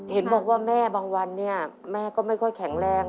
เห็นบอกว่าแม่บางวันเนี่ยแม่ก็ไม่ค่อยแข็งแรง